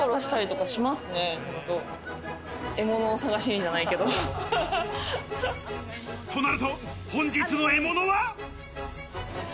となると、本日の獲物は？